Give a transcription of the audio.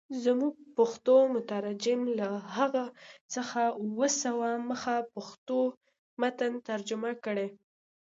زموږ پښتو مترجم له هغه څخه اووه سوه مخه پښتو متن جوړ کړی.